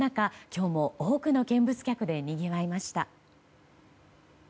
今日も多くの見物客でにぎわいました。